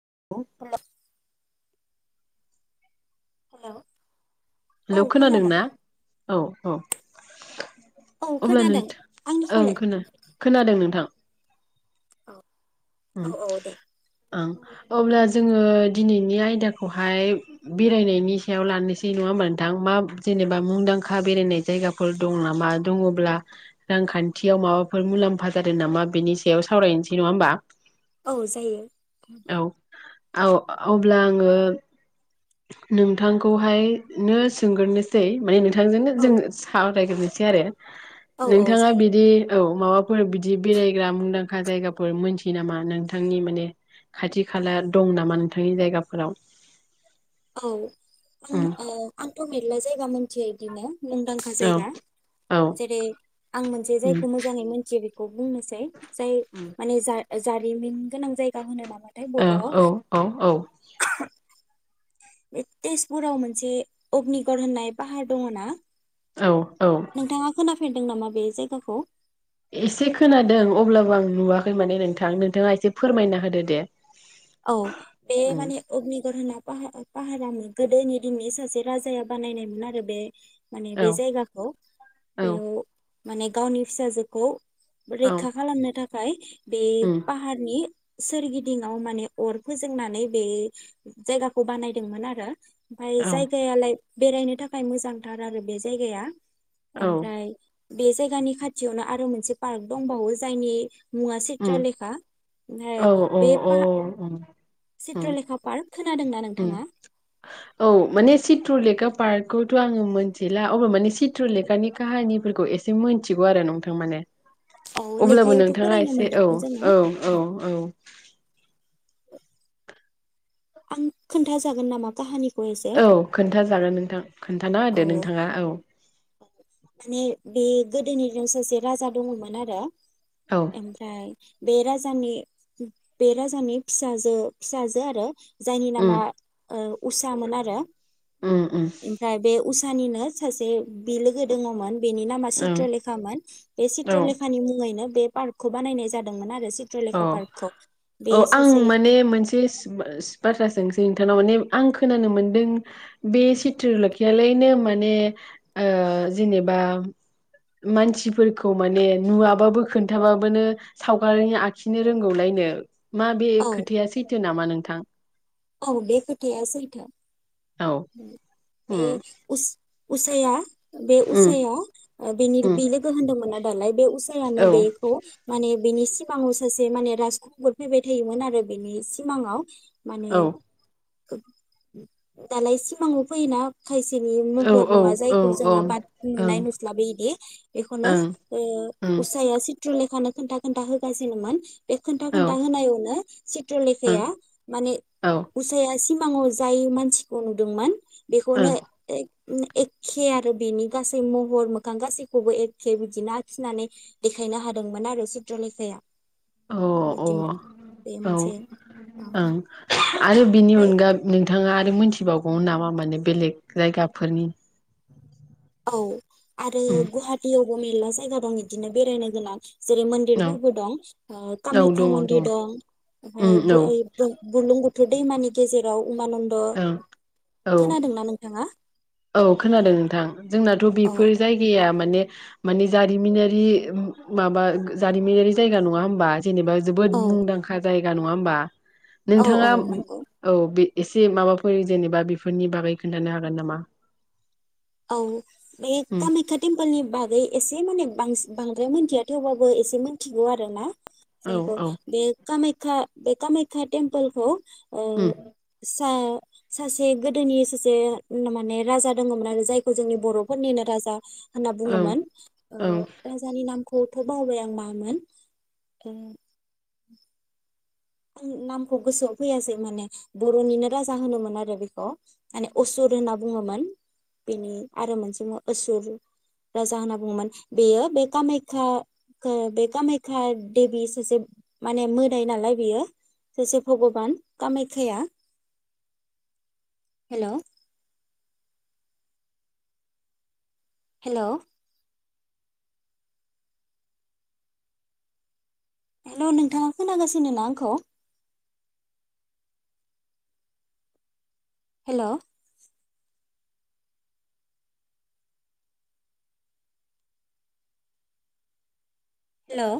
[unintelligible] हेल' hello खोनादों ना? औ औ औ अब्ला खोनादों नोंथा ओं आंनिखौलाय? खोना-खोनादों नोंथां। औ औ औ दे उम ओं अब्ला जोङो दिनैनि आयदाखौहाय बेरायनायनि सायाव लानोसै नङा होमबा नोंथां मा जेनेबा मुंदांखा बेरायनाय जायगाफोर दं नामा दङब्ला रांखान्थियाव माबाफोर मुलाम्फा जादों नामा बेनि सायाव सावरायनोसै नङा होमबा? औ जायो। औ औ अब्ला आङो नोंथांखौहायनो सोंग्रोनोसै माने नों थां औ जों साव रायग्रोनोसै आरो औ औ नोंथाङा जायो। बिदि औ माबाफोर बिदि बेरायग्रा मुंदांखा जायगाफोर मोनथि यो नामा नोंथांनि माने खाथि खाला दं नामा नोंथांनि जायगाफोराव? औ उम आं ओ आंथ' मेरला जायगा मोन थियो इदिनो मुंदांखा औ जायगा औ जेरै आं मोनसे उम जायखौ मोजाङै मोनथियो बे बुंनोसै जाय माने जा जारिमिन गोनां जायगा होनो नामाथाय औ औ औ औ बर'आव तेजपुराव मोनसे अग्निगर होननाय पाहार दङना। औ औ। फेरदों नामा बे जायगाखौ। एसे खोनादों अब्लाबो आं नुवाखै माने नोंथां नोंथाङा एसे फोरमायना होदो दे। औ बे उम माने अग्निगर होना पाहारामोन गोदोनि दिननि सासे राजाया बानायनायमोन आरो बे माने औ बे जायगाखौ औ बेयाव माने गावनि फिसाजोखौ औ रैखा खालामनो था फाय बे उम पाहारनि सोरगिदिंआव माने अर फोजोंनानै बे जायगाखौ बानायदोंमोन आरो ओमफ्राय औ जायगायालाय। बेरायनो थाखाय मोजांथार आरो बे जायगाया। औ ओमफ्राय बे जायगानि खाथियावनो आरो मोनसे पार्क दंबावो जायनि मुवा उम चित्र लेखा ओमफाय औ औ बे औ बा उम उम चित्रलेखा पार्क खोनादों। उम औ माने सिथ्रलेखा पार्क खौथ' आङो मोनथिला अब्लाबो माने सित्रलेकानि काहानिफोरखौ एसे मोथिगौ आरो नोंथां माने औ । अब्लाबो लेखायावथ' नोंथाङा फरायनो एसे औ मोनदोंमोन जोङो औ औ औ। [inaudible] आं खिनथाजागोन नामा काहानि औ खोनथा जागोन नोंथां। खोनथाना औ होदो नोंथाङा औ। माने बे गोदोनिनाव सासे राजा दङमोन आरो। औ ओमफ्राय बे राजानि बे राजानि फिसाजो फिसाजो आरो जायनि उम नामा ओं उसामोन आरो। उम उम। उसानिनो सासे बिलोगो दङमोन। बेनि नामा ओं सित्रलेखामोन बे औ सित्रलेखानि मुङैनो बे पार्कखौ बानायनाय जादोंमोन आरो। अ चित्रलेखा पार्कखौ बे औ आं सासे माने मोनसे बाथ्रा सों नोंथांनाव माने आं खोनानो मोनदों बे सिथ्रलेखायालायनो माने ओ जेनेबा मानसिफोरखौ माने नुवाबाबो खोनथाबाबोनो सावगारि आख खिनो रोंगौलायनो। मा बे औ खोथाया सैथो नामा नों थां। औ बे खोथाया सैथो। औ बे उम उस उसाया बे उम उसाया बेनि उम बिलोगो होनदोंमोन। दालाय बे उसायानो औ बेखौ माने बेनि सिमांनि सासे माने राजखुंगुर फैबाय थायोमोन आरो बेनि सिमाङाव। माने औ [inaudible] दालाय सिमाङाव फैयोना खायसेनि औ महर औ नुवा औ जायखौ औ जोङो ओं बाद ओं नुनाय उम नुस्लाबि इदि बेखौनो औ ओ उसाया सित्रलेखानो खोनथा खोनथा होगासिनोमोन। बे खोनथा खोनथा ओं होनायावनो औ ओं सित्रलेखाया माने उसाया सिम फांङाव जाय मानसि खौ नुदोंमोन अ बेखौनो उम एखे आरो बेनि गासै महर मोखां गासैखौबो एखे बिदिनो आखिनानै देखायनो हादोंमोन आरो चित्रलेखाया। अ बिदिनो औ बे मोनसे औ ओं आरो बिनि अनगा नोंथांङा मिथिबावगौमोन नामा माने बेलेग जायगाफोरनि औ आरो उम गुवाहाटियाव औ मेरला जायगा दं बिदिनो बेरायनो गोनां जेरै औ मन्दिरफोरबो दं ओ औ कामायखा दङ मन्दिर दङ दं उम औ ओमफ्राय बुरलुंबुथु थ दैमानि गेजेराव उमानन्द ओं औ खोनादोंना नोंथांङा औ खोनादों नोंथां जोंनाथ' बेफोर जायगाया माने माने जारिमिनारि माबा जारिमिनारि जायगा नंङा होमबा जेनेबा जोबोद औ मुंदांखा जायगा गा नंङा होमबा औ नोंथांङा नंगौ औ बे एसे माबाफोर जेनेबा बेफोरनि बागै खोन्थानो हागोन नामा? औ बे उम कामाख्या टेम्पोलनि बागै एसे माने बांसिन बांद्राय मिथिया थेवबाबो एसे मिथिगौ आरो ना औ जायखौ औ बे खामाय खा बे खामायखा टेमपोलखौ औ उम सा सासे गोदोनि सासे माने राजा दङमोन जायखौ जोंनि बर'फोरनिनो राजा होनना औ बुंङोमोन। ओ औ राजानि नाम खौथ' बावबाय आं मामोन। आं नामखौ गोसोआव फैयासै माने बर'निनो राजा होनोमोन आरो बेखौ। माने असुर होनना बुङोमोन बेनि आरो मोनसे असुर राजा होनना बुङोमोन। बेयो बे कामाखया बे कामाख्या देबि सासे माने मोदाय नालाय बेयो सासे भगबान कामायखाया। हेलौ हेलौ हेलौ नोंथांङा खोनागासिनोना आंखौ? Hello hello.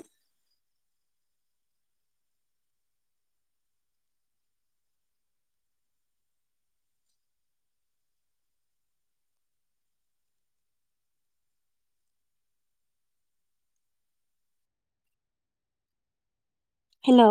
हेलौ।